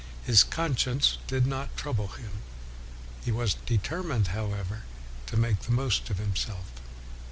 His con science did not trouble him. He was de termined, however, to make the most of WESLEY 299 himself.